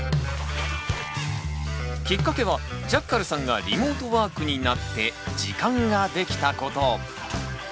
きっかけはジャッカルさんがリモートワークになって時間ができたこと。